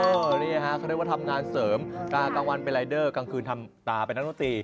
ก็เรียกว่าทำงานเสริมกรรฟ์กลางวันเป็นรายเดอร์กลางคืนทำตาเป็นนักนวตรี